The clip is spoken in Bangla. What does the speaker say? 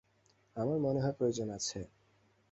আমার মনে হয় প্রয়োজন আছে।